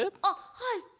あっはい。